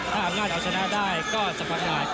ถ้าอำนาจจะเอาชนะได้ก็ให้โปรดกระจีก